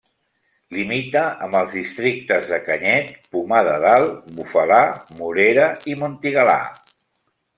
Limita amb els districtes de Canyet, Pomar de Dalt, Bufalà, Morera i Montigalà.